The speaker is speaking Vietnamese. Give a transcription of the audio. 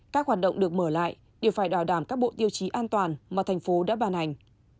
các hoạt động được mở lại đều phải bảo đảm các bộ tiêu chí an toàn mà thành phố đã bàn hành